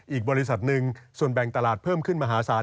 อีกบริษัทหนึ่งส่วนแบ่งตลาดเพิ่มขึ้นมหาศาล